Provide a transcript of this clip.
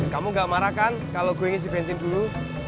kamu nggak marah kan kalau gue isi bensin dulu